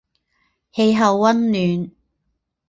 气候温暖。